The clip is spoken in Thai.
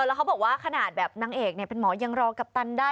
แล้วเขาบอกว่าขนาดแบบนางเอกเป็นหมอยังรอกัปตันได้